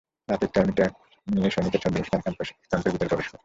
রাতে একটি army truck নিয়ে সৈনিকের ছদ্মবেশে তারা ক্যাম্পের ভেতর প্রবেশ করে।